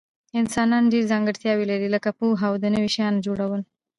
انسانان ډیر ځانګړتیاوي لري لکه پوهه او د نوي شیانو جوړول